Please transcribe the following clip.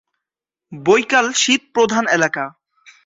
বৈকাল শীতপ্রধান এলাকা।